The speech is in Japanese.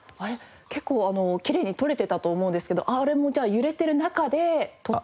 結構きれいに撮れてたと思うんですけどあれもじゃあ揺れてる中で撮った映像なんですか？